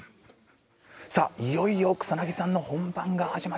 さあいよいよ草さんの本番が始まります。